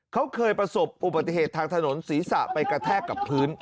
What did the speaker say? เขาเคยประสบอุบัติเหตุทางถนนศีรษะไปกระแทกกับพื้น